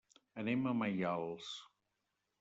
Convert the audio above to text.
Anem a Maials.